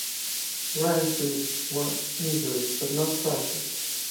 Ryan's ribs were injured, but not fractured.